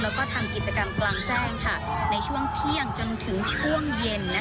แล้วก็ทำกิจกรรมกลางแจ้งในช่วงเที่ยงจนถึงช่วงเย็น